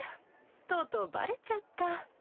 とうとうバレちゃった。